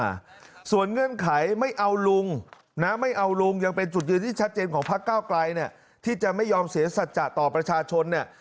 อาจจะเป็นการคุยกันนะครับรอภไทยระประสารมา